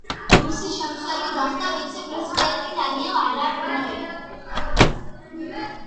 მისი შემცვლელი გახდა ვიცე-პრეზიდენტი დანიელ არაპ მოი.